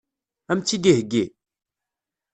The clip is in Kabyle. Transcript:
Ad m-tt-id-iheggi?